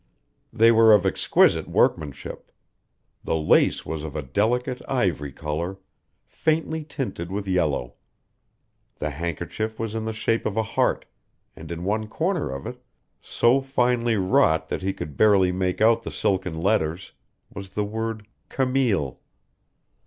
They were of exquisite workmanship. The lace was of a delicate ivory color, faintly tinted with yellow. The handkerchief was in the shape of a heart, and in one corner of it, so finely wrought that he could barely make out the silken letters, was the word "Camille."